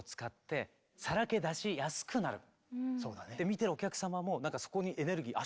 見てるお客様もなんかそこにエネルギー